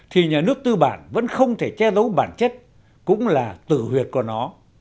thì nhà nước tư bản vẫn không thể che giấu bản chất cũng là tử huyệt của nó